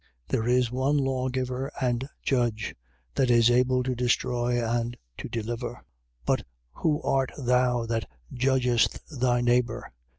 4:12. There is one lawgiver and judge, that is able to destroy and to deliver. 4:13. But who art thou that judgest thy neighbour?